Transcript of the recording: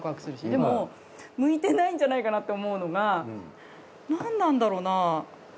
でも向いてないんじゃないかなって思うのが何なんだろうな。